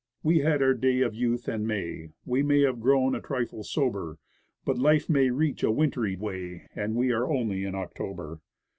We had our day of youth and May ; We may have grown a trifle sober ; But life may reach a wintry way, And we are only in October.